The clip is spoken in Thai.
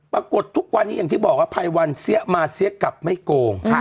ปรากฏทุกวันนี้อย่างที่บอกว่าภัยวันเสี้ยมาเสี้ยกลับไม่โกง